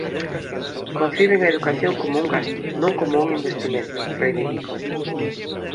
"Conciben a educación como un gasto, non como un investimento", reivindicou.